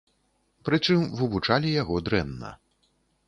Прычым вывучалі яго дрэнна.